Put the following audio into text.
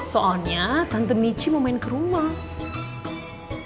soalnya tante michi mau main ke rumah